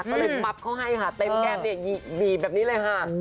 ก็เลยปั๊บเขาให้ค่ะเต็มแก้มเนี่ยบีบแบบนี้เลยค่ะ